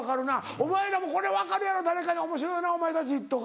お前らもこれ分かるやろ誰かに「おもしろいなお前たち」とか。